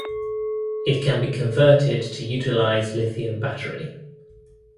It can be converted to utilize lithium battery.